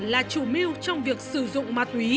là chủ mưu trong việc sử dụng ma túy